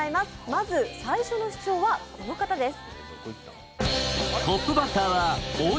まず最初の主張はこの方です。